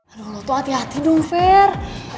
aduh lo tuh hati hati dong fir